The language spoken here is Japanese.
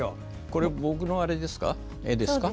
これ僕の絵ですか。